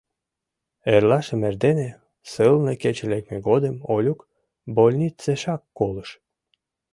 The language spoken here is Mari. Эрлашым эрдене, сылне кече лекме годым, Олюк больницешак колыш.